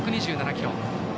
１２７キロ。